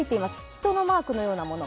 人のマークのようなもの。